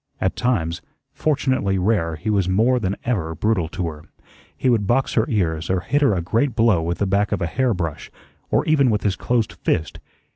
At times fortunately rare he was more than ever brutal to her. He would box her ears or hit her a great blow with the back of a hair brush, or even with his closed fist.